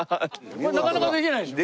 これなかなかできないでしょ。